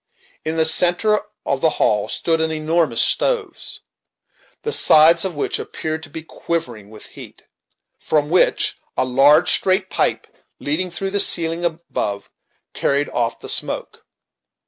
In the centre of the hall stood an enormous stove, the sides of which appeared to be quivering with heat; from which a large, straight pipe, leading through the ceiling above, carried off the smoke.